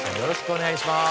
お願いします。